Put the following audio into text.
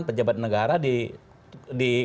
pejabat negara di